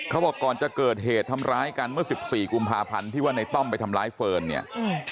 เขาบอกก่อนจะเกิดเหตุทำร้ายกันเมื่อสิบสี่กุมภาพันธ์ที่ว่าในต้อมไปทำร้ายเฟิร์นเนี่ย